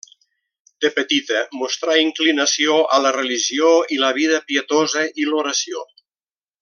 De petita mostrà inclinació a la religió i la vida pietosa i l'oració.